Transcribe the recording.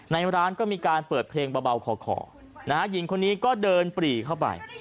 ในร้านก็มีการเปิดเพลงเบาขอนะฮะหญิงคนนี้ก็เดินปรีเข้าไป